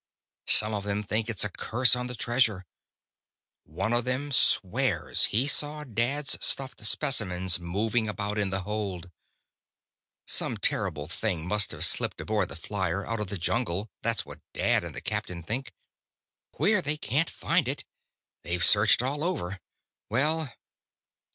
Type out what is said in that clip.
Some of them think it's a curse on the treasure. One of them swears he saw Dad's stuffed specimens moving about in the hold. "Some terrible thing must have slipped aboard the flier, out of the jungle. That's what Dad and the captain think. Queer they can't find it. They've searched all over. Well...."